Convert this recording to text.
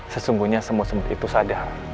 sesungguhnya semut semut itu sadar